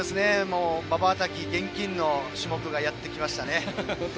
まばたき厳禁の種目がやってきましたね。